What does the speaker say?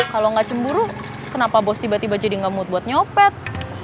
kalo gak cemburu kenapa bos tiba tiba jadi gak mood buat nyopet